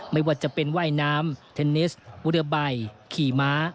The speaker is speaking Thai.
ไม่ว่าจะเป็นว่ายน้ำเทนนิสเรือใบขี่ม้า